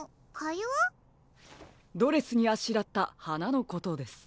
ドレスにあしらったはなのことです。